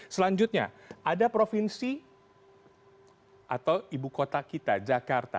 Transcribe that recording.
selanjutnya ada provinsi atau ibu kota kita jakarta